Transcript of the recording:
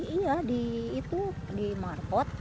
iya di itu di marbot